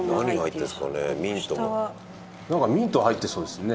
ミントが入ってそうですね。